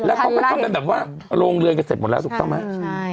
แล้วก็เป็นคำแบบว่าโรงเรียนก็เสร็จหมดแล้วถูกต้องไหม